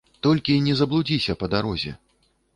Толькі не заблудзіся па дарозе.